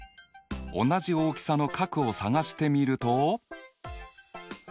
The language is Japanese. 同じ大きさの角を探してみると？